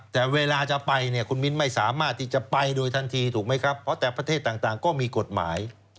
ถูกไหมครับเพราะแต่ประเทศต่างก็มีกฎหมาย